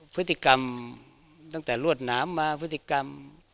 พฤติกรรมตั้งแต่รวดหนามมาพฤติกรรม